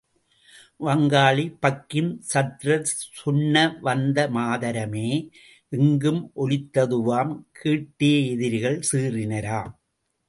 வங்காளி பங்கிம்சந்த்ரர் சொன்ன வந்தே மாதரமே எங்கும் ஒலித்ததுவாம் கேட்டே எதிரிகள் சீறினராம்.